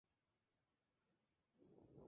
Por razones similares la "V" tampoco fue usada.